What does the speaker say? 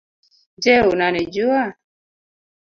Je unanijua